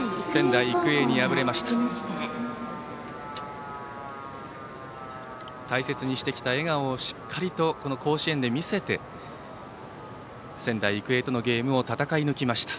大切にしてきた笑顔をしっかりとこの甲子園で見せて仙台育英とのゲームを戦い抜きました。